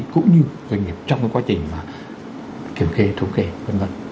cũng như doanh nghiệp trong cái quá trình kiểm kế thống kể v v